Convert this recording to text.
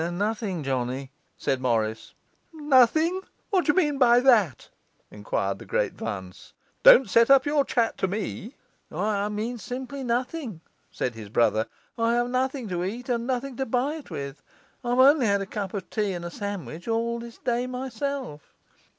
'Nothing, Johnny,' said Morris. 'Nothing? What do you mean by that?' enquired the Great Vance. 'Don't set up your chat to me!' 'I mean simply nothing,' said his brother. 'I have nothing to eat, and nothing to buy it with. I've only had a cup of tea and a sandwich all this day myself.